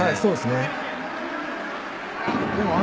そうですね。